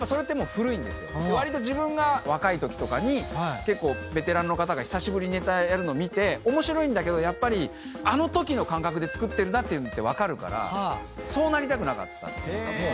わりと自分が若いときとかに結構ベテランの方が久しぶりにネタやるの見て面白いんだけどあのときの感覚で作ってるなって分かるからそうなりたくなかったっていうか。